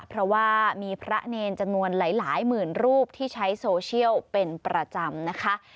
เพราะว่ามีพระเนรจำนวนหลายหมื่นรูปที่ใช้โซเชียลเป็นประจำนะคะ